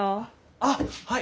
あっはい！